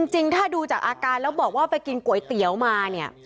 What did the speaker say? จริงถ้าดูจากอาการแล้วบอกว่าไปกินก๋วยเตี๋ยวมาเนี่ย